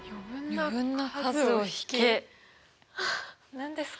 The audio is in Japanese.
何ですか？